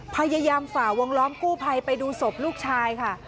พยายามฝ่าวงล้อมกู้ภัยไปดูศพลูกชายค่ะ